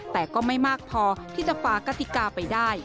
แต่ก็ไม่มากพอที่จะฝากกติกาไปได้